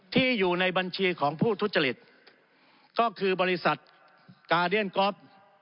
อยู่ในบัญชีของผู้ทุจริตก็คือบริษัทกาเดียนก๊อฟ